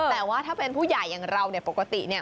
แต่ว่าถ้าเป็นผู้ใหญ่อย่างเราปกติ